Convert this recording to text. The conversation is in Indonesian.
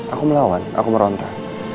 aku melawan aku merontah